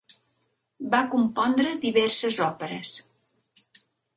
Va compondre diverses òperes.